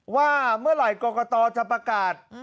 ว่าเมื่อไหร่กรกตจะประกาศ